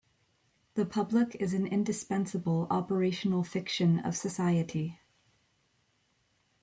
The public is an indispensable operational fiction of society.